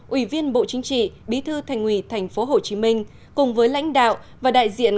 ủy viên bộ chính trị bí thư thành ủy tp hcm cùng với lãnh đạo và đại diện